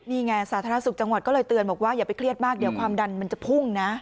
นี่ไงสาธารณสุขจังหวัดก็เลยเตือนบอกว่าอย่าไปเครียดมากเดี๋ยวความดันมันจะพุ่งนะ